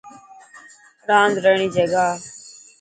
راند رهڻ ري جڳهه.